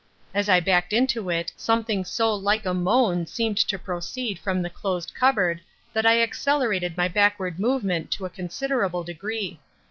As I backed into it something so like a moan seemed to proceed from the closed cupboard that I accelerated my backward movement to a considerable degree.